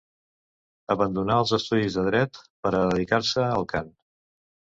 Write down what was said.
Abandonà els estudis de dret per a dedicar-se al cant.